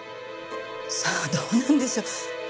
さあどうなんでしょう？